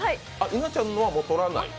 稲ちゃんのは撮らない？